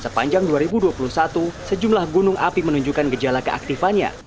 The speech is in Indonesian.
sepanjang dua ribu dua puluh satu sejumlah gunung api menunjukkan gejala keaktifannya